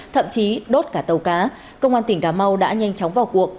thậm chí đốt cả tàu cá công an tỉnh cà mau đã nhanh chóng vào cuộc